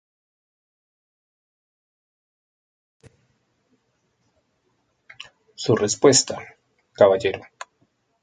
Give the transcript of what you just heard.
Su respuesta: "Caballero.